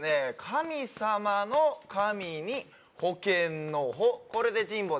神様の「神」に保険の「保」